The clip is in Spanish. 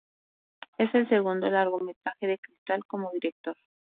Es el segundo largometraje de Crystal como director.